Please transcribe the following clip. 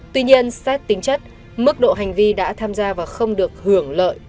tuy nhiên xét tính chất mức độ hành vi đã tham gia và không được hưởng lợi